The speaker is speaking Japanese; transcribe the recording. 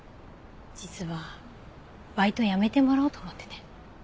実はバイト辞めてもらおうと思ってて。